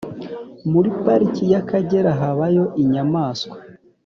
muri pariki y'akagera habayo inyamanswa